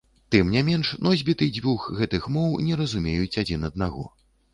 Тым не менш носьбіты дзвюх гэтых моў не разумеюць адзін аднаго.